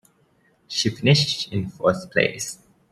She finished in fourth place.